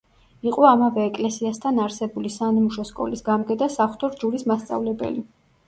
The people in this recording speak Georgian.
იყო ამავე ეკლესიასთან არსებული სანიმუშო სკოლის გამგე და საღვთო რჯულის მასწავლებელი.